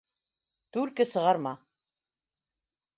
Түлке сығарма...